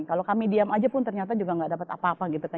kalau kami diam aja pun ternyata juga nggak ada